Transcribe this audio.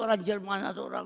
dan kita harus